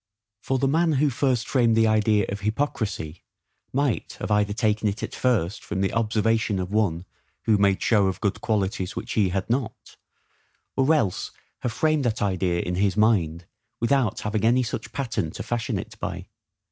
For the man who first framed the idea of HYPOCRISY, might have either taken it at first from the observation of one who made show of good qualities which he had not; or else have framed that idea in his mind without having any such pattern to fashion it by.